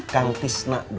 kang tisnak doi